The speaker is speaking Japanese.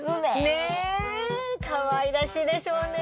ねえかわいらしいでしょうね。